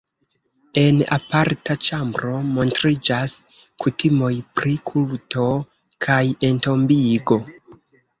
En aparta ĉambro montriĝas kutimoj pri kulto kaj entombigo.